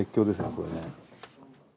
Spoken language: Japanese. これね。